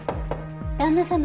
旦那様